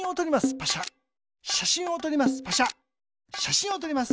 しゃしんをとります。